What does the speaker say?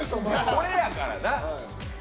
これやからな。